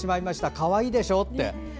かわいいでしょうって。